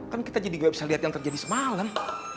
kan kita jadi gak bisa lihat yang terjadi semalam